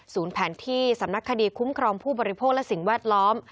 แผนที่สำนักคดีคุ้มครองผู้บริโภคและสิ่งแวดล้อม